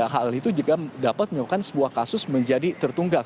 hal itu juga dapat menyebabkan sebuah kasus menjadi tertunggak